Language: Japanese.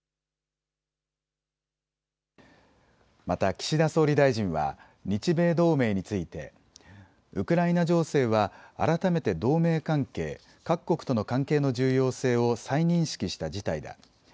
また岸田総理大臣は日米同盟についてウクライナ情勢は改めて同盟関係、各国との関係の重要性を再認識した事態だ。